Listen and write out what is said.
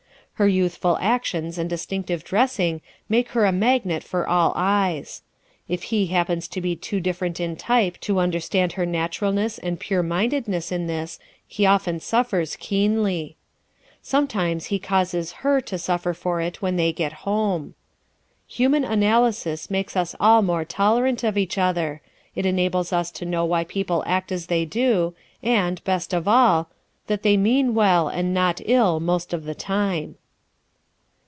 Her youthful actions and distinctive dressing make her a magnet for all eyes. If he happens to be too different in type to understand her naturalness and pure mindedness in this he often suffers keenly. Sometimes he causes her to suffer for it when they get home. Human Analysis makes us all more tolerant of each other. It enables us to know why people act as they do, and, best of all, that they mean well and not ill most of the time.